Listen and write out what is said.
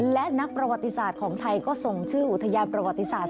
และนักประวัติศาสตร์ของไทยก็ส่งชื่ออุทยานประวัติศาสตร์